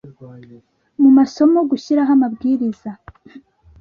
mu masomo gushyiraho amabwiriza